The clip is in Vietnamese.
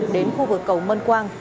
đến khu vực cầu mân quang